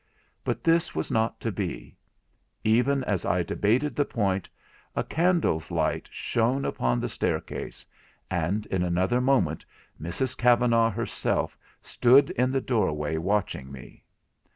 But this was not to be. Even as I debated the point, a candle's light shone upon the staircase; and in another moment Mrs Kavanagh herself stood in the doorway watching me.